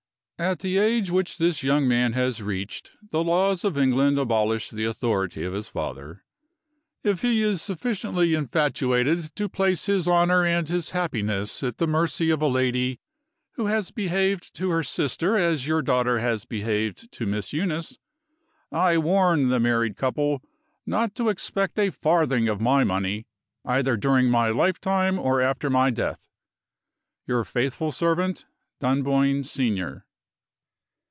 At the age which this young man has reached, the laws of England abolish the authority of his father. If he is sufficiently infatuated to place his honor and his happiness at the mercy of a lady, who has behaved to her sister as your daughter has behaved to Miss Eunice, I warn the married couple not to expect a farthing of my money, either during my lifetime or after my death. Your faithful servant, DUNBOYNE, SENIOR."